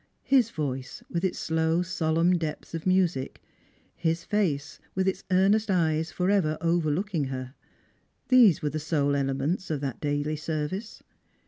His voice with its slow solemn depths of music; his face with its earnest eyes for ever overlooking her. These were the sole elements of that daily service.